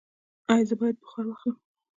ایا زه باید بخار واخلم؟